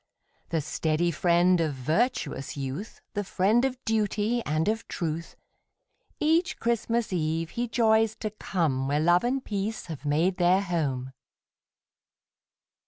The steady friend of virtuous youth, The friend of duty, and of truth, Each Christmas eve he joys to come Where love and peace have made their home.